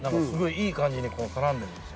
いい感じに絡んでんですよ。